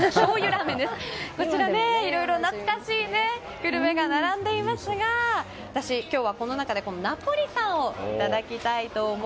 いろいろ懐かしいグルメが並んでいますが私、今日はこの中でナポリタンをいただきます。